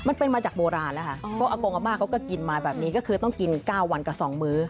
มันเป็นมาจากโบราณแล้วค่ะเพราะอากงอาม่าเขาก็กินมาแบบนี้ก็คือต้องกิน๙วันกับ๒มื้อ